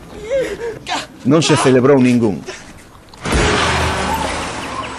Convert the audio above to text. Non se celebrou ningún.